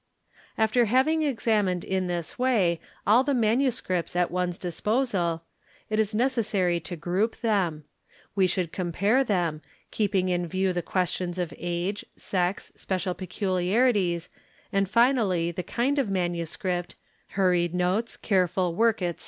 After having examined in this way all the manuscripts at one's dis ae posal it is necessary to: group them; we should compare them, keeping in view the questions of age, sex, special peculiarities, and finally the kind ¥ of bsanuscript (hurried notes, careful work, etc).